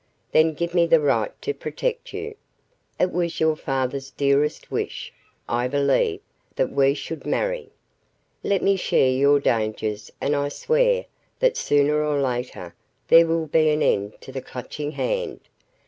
Then give me the right to protect you. It was your father's dearest wish, I believe, that we should marry. Let me share your dangers and I swear that sooner or later there will be an end to the Clutching Hand.